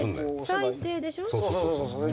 再生でしょ？